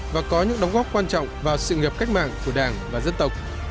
và có những đóng góp quan trọng vào sự nghiệp cách mạng của đảng và dân tộc